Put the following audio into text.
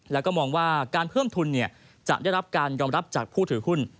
แล้วก็มองว่าการเพิ่มทุนจะได้รับการยอมรับจากผู้ถือหุ้น